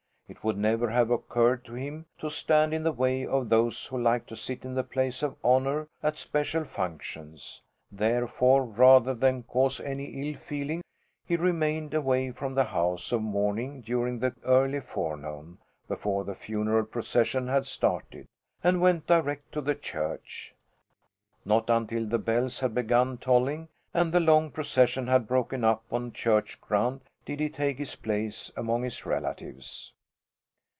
It would never have occurred to him to stand in the way of those who like to sit in the place of honour at special functions. Therefore, rather than cause any ill feeling, he remained away from the house of mourning during the early forenoon, before the funeral procession had started, and went direct to the church. Not until the bells had begun tolling and the long procession had broken up on church ground did he take his place among his relatives.